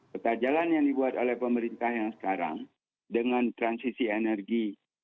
peta jalan yang dibuat oleh pemerintah yang sekarang dengan transisi energi